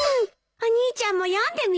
お兄ちゃんも読んでみる？